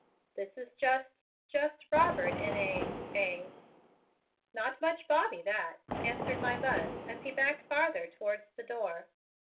"This is just just Robert in a a " "Not much Bobby, that," answered my Buzz as he backed farther towards the door.